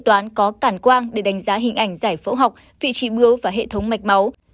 toán có cảm quang để đánh giá hình ảnh giải phẫu học vị trí bướu và hệ thống mạch máu